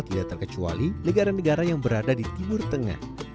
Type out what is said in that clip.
tidak terkecuali negara negara yang berada di timur tengah